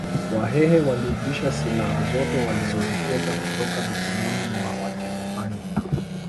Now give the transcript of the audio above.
Wahehe walirudisha silaha zote walizoziteka kutoka mikononi mwa wajerumani na